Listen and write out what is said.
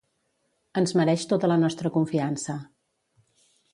Ens mereix tota la nostra confiança.